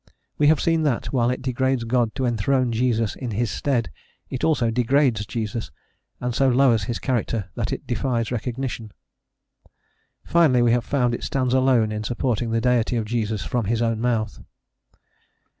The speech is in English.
We have seen that, while it degrades God to enthrone Jesus in His stead, it also degrades Jesus, and so lowers his character that it defies recognition. Finally, we have found it stands alone in supporting the Deity of Jesus from his own mouth.